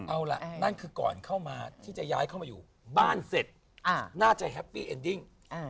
เอาล่ะนั่นคือก่อนเข้ามาที่จะย้ายเข้ามาอยู่บ้านเสร็จน่าจะแฮปปี้เอ็นดิ้ง